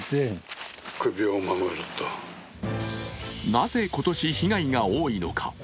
なぜ今年、被害が多いのか。